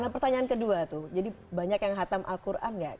nah pertanyaan kedua tuh jadi banyak yang hatam al quran gak